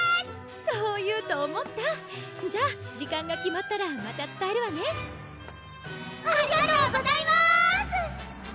そう言うと思ったじゃあ時間が決まったらまたつたえるわねありがとうございます！